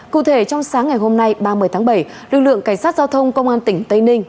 cụ thể trong sáng ngày hôm nay ba mươi tháng bảy lực lượng cảnh sát giao thông công an tỉnh tây ninh